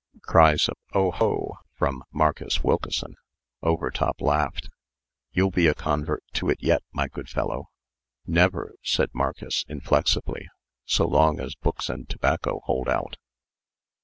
Cries of "Oh! oh!" from Marcus Wilkeson. Overtop laughed. "You'll be a convert to it yet, my good fellow." "Never," said Marcus, inflexibly, "so long as books and tobacco hold out."